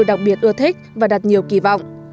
đặc biệt ưa thích và đặt nhiều kỳ vọng